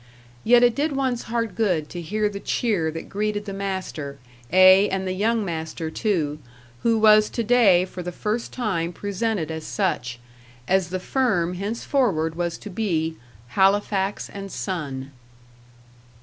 Yet it did one's heart good to hear the cheer that greeted the master, ay, and the young master too, who was to day for the first time presented as such: as the firm henceforward was to be, "Halifax and Son."